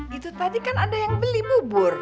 gitu tadi kan ada yang beli bubur